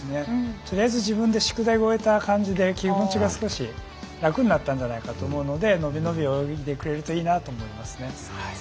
とりあえず自分で宿題を終えた感じで気持ちが少し楽になったんじゃないかと思うのでのびのび泳いでくれるといいなと思います。